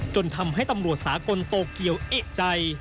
จนทำให้ตำรวจสากลโตเกียวเอกใจ